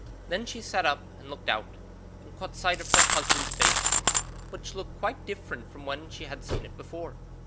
Then she sat up and looked out, and caught sight of her husband's face, which looked quite different from when she had seen it before.